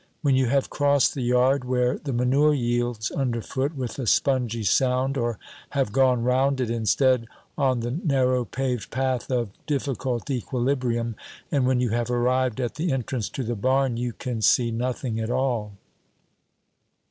When you have crossed the yard, where the manure yields underfoot with a spongy sound or have gone round it instead on the narrow paved path of difficult equilibrium, and when you have arrived at the entrance to the barn, you can see nothing at all.